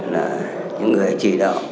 là những người chỉ đạo